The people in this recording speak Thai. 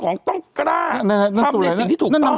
นั่น